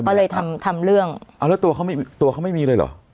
ก็เลยทำทำเรื่องเอาแล้วตัวเขาไม่ตัวเขาไม่มีเลยเหรอ